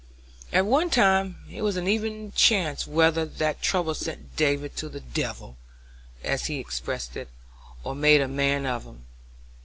"At one time it was an even chance whether that trouble sent David to 'the devil,' as he expressed it, or made a man of him.